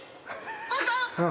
本当？